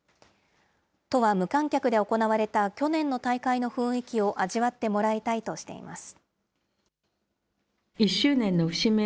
都は無観客で行われた去年の大会の雰囲気を味わってもらいたいとしています。